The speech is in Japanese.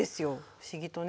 不思議とね。